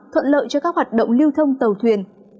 thuận lợi cho các hoạt động lưu thông tàu thuyền